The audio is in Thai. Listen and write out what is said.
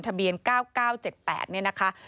ทะเบียน๙๙๗๘เนี่ยนะคะ